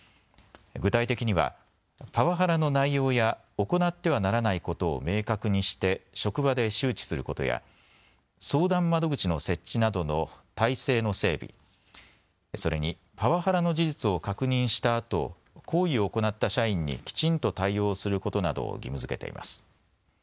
具体的にはパワハラの内容や行ってはならないことを明確にして職場で周知することや相談窓口の設置などの体制の整備、それにパワハラの事実を確認したあと行為を行った社員にきちんと対応することなどを義務づけています。